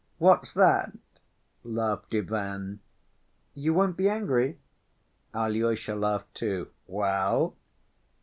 "What's that?" laughed Ivan. "You won't be angry?" Alyosha laughed too. "Well?"